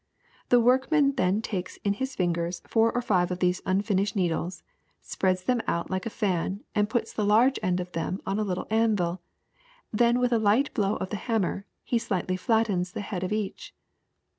The workman then takes in his fingers four or five of these unfinished needles, spreads them out like a fan and puts the large end of them on a little anvil ; then with a light blow of the hammer he slightly flat tens the head of each.